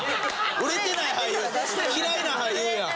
売れてない俳優嫌いな俳優やん。